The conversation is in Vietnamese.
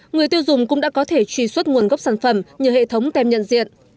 người tiêu dùng cũng đã có thể truy xuất nguồn gốc sản phẩm nhờ hệ thống tem nhận diện